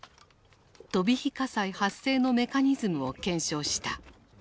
飛び火火災発生のメカニズムを検証した。